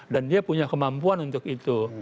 dan dia punya kemampuan untuk itu